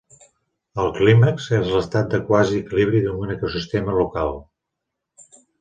El clímax és l'estat de quasi equilibri d'un ecosistema local.